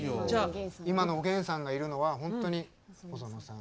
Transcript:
今のおげんさんがいるのは本当に細野さんの。